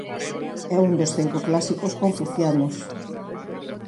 É un dos Cinco Clásicos confucianos.